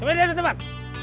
semua di hadapan